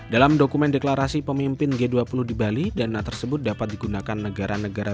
dalam dokumen deklarasi pemimpin g dua puluh di bali dana tersebut dapat digunakan negara negara